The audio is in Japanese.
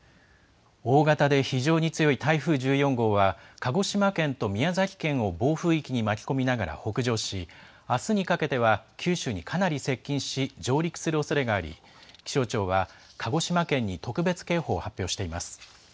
大型で非常に強い台風１４号は、鹿児島県と宮崎県を暴風域に巻き込みながら北上し、あすにかけては九州にかなり接近し、上陸するおそれがあり、気象庁は鹿児島県に特別警報を発表しています。